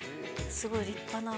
すごい立派な。